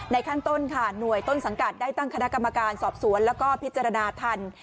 ขั้นต้นค่ะหน่วยต้นสังกัดได้ตั้งคณะกรรมการสอบสวนแล้วก็พิจารณาทัน